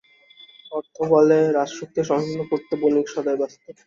অর্থবলে রাজশক্তিকে সংকীর্ণ করিতে বণিক সদাই ব্যস্ত।